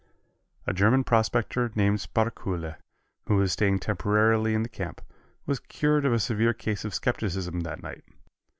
A German prospector named Sparkuhle, who was staying temporarily in the camp, was cured of a severe case of skepticism that night.